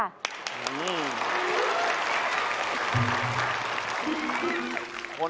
ขอบคุณทุกคน